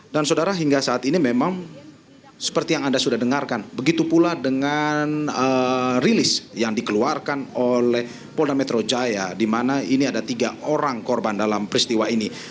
dan saudara hingga saat ini memang seperti yang anda sudah dengarkan begitu pula dengan rilis yang dikeluarkan oleh polda metro jaya di mana ini ada tiga orang korban dalam peristiwa ini